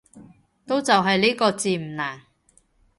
都就係呢個字唔難